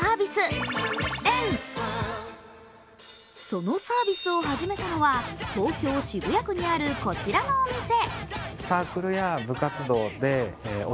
そのサービスを始めたのは、東京・渋谷区にあるこちらのお店。